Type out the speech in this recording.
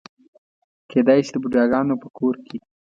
کېدای شي د بوډاګانو په کور کې.